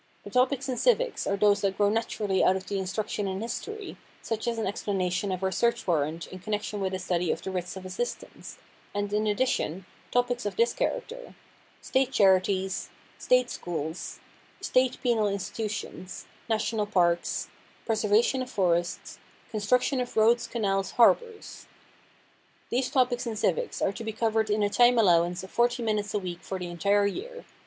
The topics in civics are those that grow naturally out of the instruction in history, such as an explanation of our search warrant in connection with a study of the writs of assistance, and in addition, topics of this character: "State Charities," "State Schools," "State Penal Institutions," "National Parks," "Preservation of Forests," "Construction of Roads, Canals, Harbors." These topics in civics are to be covered in a time allowance of forty minutes a week for the entire year.